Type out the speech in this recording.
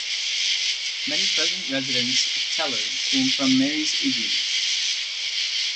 Many present residents of Teller came from Mary's Igloo.